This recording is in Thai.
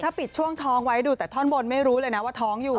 ปิดช่วงท้องไว้ดูแต่ท่อนบนไม่รู้เลยนะว่าท้องอยู่